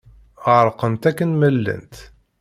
Ɣerqent akken ma llant.